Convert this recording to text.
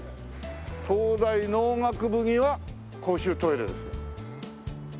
東大農学部際公衆トイレですよ。